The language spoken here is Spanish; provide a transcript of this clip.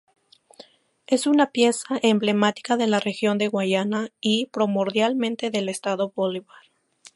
Es una pieza emblemática de la región de Guayana y primordialmente del estado Bolívar.